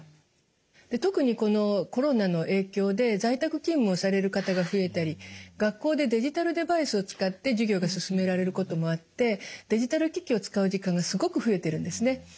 特にこのコロナの影響で在宅勤務をされる方が増えたり学校でデジタルデバイスを使って授業が進められることもあってデジタル機器を使う時間がすごく増えてるんですね。